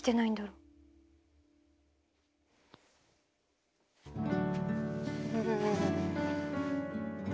うん。